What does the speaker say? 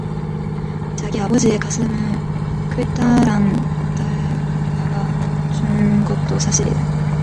자기 아버지의 가슴에 굵다란 못을 박아 준 것도 사실이다.